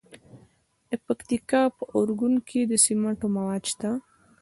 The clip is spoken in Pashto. د پکتیکا په ارګون کې د سمنټو مواد شته.